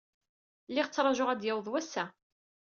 Lliɣ ttṛajuɣ ad d-yaweḍ wass-a.